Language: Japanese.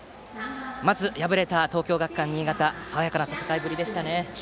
まず、敗れた東京学館新潟ですが爽やかな戦いぶりでしたね。